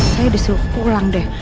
saya disuruh pulang deh